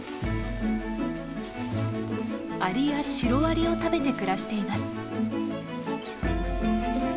アリやシロアリを食べて暮らしています。